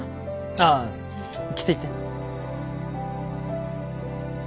ああ着ていって。